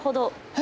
え